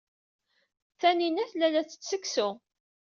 Taninna tella la tettett seksu.